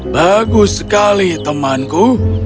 bagus sekali temanku